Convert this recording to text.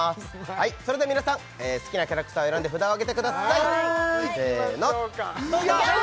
はいそれでは皆さん好きなキャラクターを選んで札をあげてくださいせーのどうぞ！